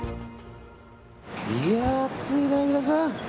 いやー、暑いね、皆さん。